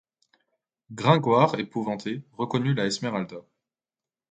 Gringoire épouvanté reconnut la Esmeralda.